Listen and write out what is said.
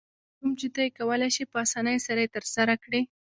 کوم چې ته یې کولای شې په اسانۍ سره یې ترسره کړې.